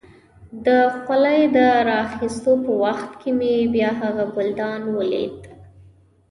د خولۍ د را اخيستو په وخت کې مې بیا هغه ګلدان ولید.